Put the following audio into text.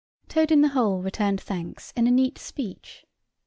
Toad in the hole returned thanks in a neat speech.